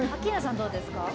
どうですか？